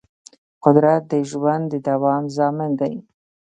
قدرت د ژوند د دوام ضامن دی.